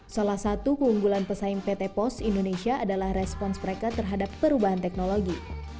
salah satu keunggulan pesaing pt pos indonesia adalah respons mereka terhadap perubahan teknologi